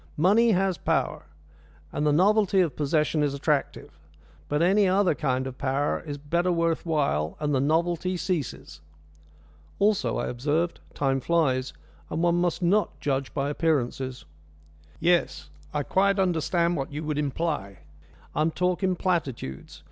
Money has power, and the novelty of possession is attractive. But any other kind of power is better worth while, and the novelty ceases." "Also," I observed, "time flies, and one must not judge by appearances." "Yes, I quite understand what you would imply. I am talking platitudes.